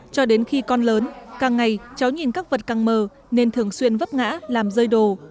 cho đến khi con lớn càng ngày cháu nhìn các vật càng mờ nên thường xuyên vấp ngã làm rơi đồ